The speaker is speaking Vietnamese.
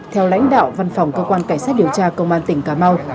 theo lãnh đạo văn phòng cơ quan cảnh sát điều tra công an tỉnh cà mau